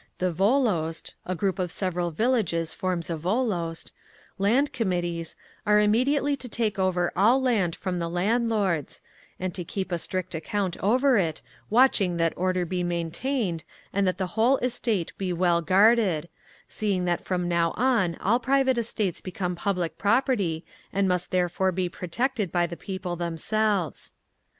The Volost (a group of several villages forms a Volost) Land Committees are immediately to take over all land from the landlords, and to keep a strict account over it, watching that order be maintained, and that the whole estate be well guarded, seeing that from now on all private estates become public property and must therefore be protected by the people themselves.